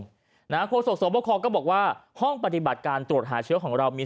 โฆษกสวบคอก็บอกว่าห้องปฏิบัติการตรวจหาเชื้อของเรามี